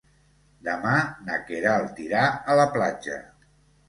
Demà na Queralt irà a la platja.